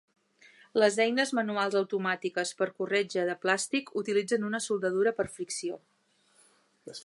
Les eines manuals automàtiques per corretja de plàstic utilitzen una soldadura per fricció.